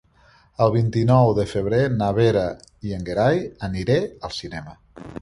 El vint-i-nou de febrer na Vera i en Gerai aniré al cinema.